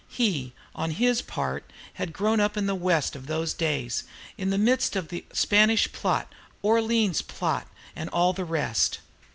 He, on his part, had grown up in the West of those days, in the midst of "Spanish plot," "Orleans plot," and all the rest.